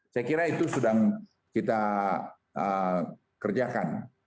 saya kira itu sedang kita kerjakan